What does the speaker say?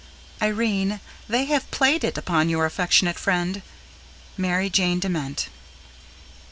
Irene, they have played it upon your affectionate friend, MARY JANE DEMENT.